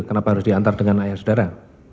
kenapa harus diantar dengan ayah saudara